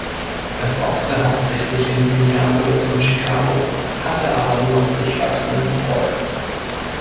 Er boxte hauptsächlich in Minneapolis und Chicago, hatte aber nur durchwachsenen Erfolg.